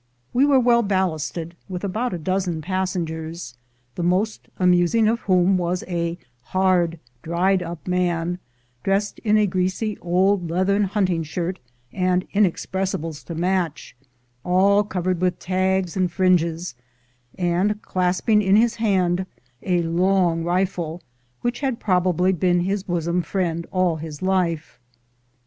We were well ballasted with about a dozen passengers, the most amusing of whom was a hard, dried up man, dressed in a greasy old leathern hunting shirt, and inexpressibles to match, all covered with tags and fringes, and clasping in his hand a long rifle, which had probably been his bosom friend all his life.